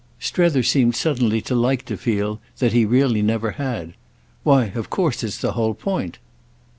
Strether seemed suddenly to like to feel that he really never had. "Why of course it's the whole point."